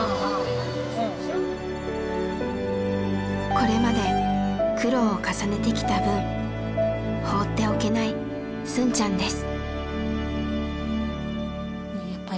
これまで苦労を重ねてきた分放っておけないスンちゃんです。